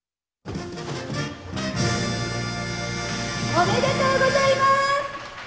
おめでとうございます。